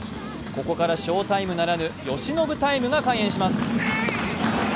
ここからショータイムならぬヨシノブタイムが開演します。